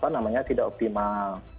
namanya tidak optimal